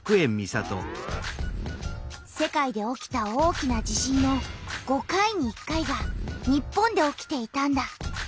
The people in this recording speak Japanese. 世界で起きた大きな地震の５回に１回が日本で起きていたんだ。